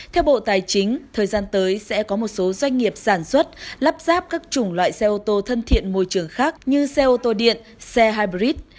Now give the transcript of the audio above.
theo bộ tài chính thời gian tới sẽ có một số doanh nghiệp sản xuất lắp ráp các chủng loại xe ô tô thân thiện môi trường khác như xe ô tô điện xe hybrid